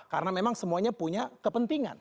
karena memang semuanya punya kepentingan